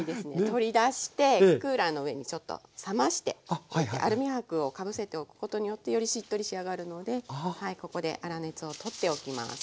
取り出してクーラーの上にちょっと冷ましてアルミ箔をかぶせておくことによってよりしっとり仕上がるのでここで粗熱を取っておきます。